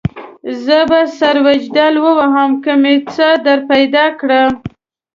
زه به سر وجدل ووهم که مې څه درپیدا کړه.